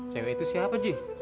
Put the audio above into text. cewek itu siapa ji